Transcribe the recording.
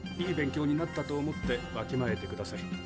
いい勉強になったと思ってわきまえてください。